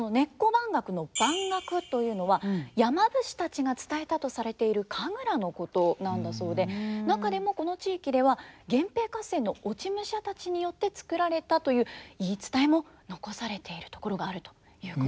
番楽の「番楽」というのは山伏たちが伝えたとされている神楽のことなんだそうで中でもこの地域では源平合戦の落ち武者たちによって作られたという言い伝えも残されているところがあるということなんです。